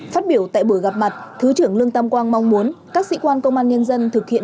phát biểu tại buổi gặp mặt thứ trưởng lương tam quang mong muốn các sĩ quan công an nhân dân thực hiện